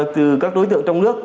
từ các đối tượng trong nước